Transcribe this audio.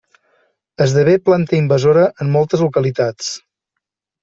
Esdevé planta invasora en moltes localitats.